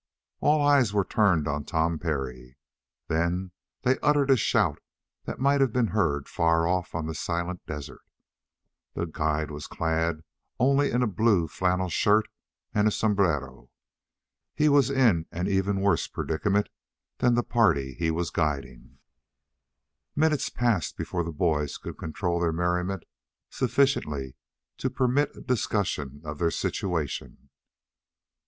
All eyes were turned on Tom Parry. Then they uttered a shout that might have been heard far off on the silent desert. The guide was clad only in a blue flannel shirt and a sombrero. He was in an even worse predicament than the party that he was guiding. Minutes passed before the boys could control their merriment sufficiently to permit a discussion of their situation.